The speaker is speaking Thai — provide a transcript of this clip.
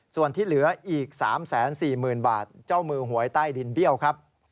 ส่วนที่เหลืออีก๓๔๐๐๐บาทเจ้ามือหวยใต้ดินเบี้ยวครับ